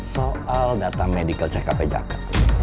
soal data medical check up pajaka